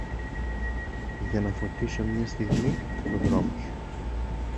Για να φωτίσω μια στιγμή το δρόμο σου